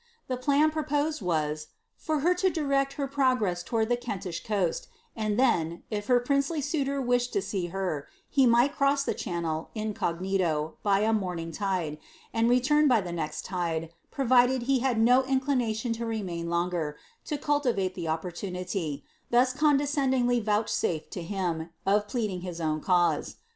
The plan proposed was, for her to direct her progress towards the Kentish coast, and then, if her princely suitor wished to see her, he might cross the channel, incognito, by a morning tide, and return by the next tide, provided he had no inclination to remain longer, to cultivate the opportunity, thus condescendingly vouchsafed to him, of pleading his own cause.'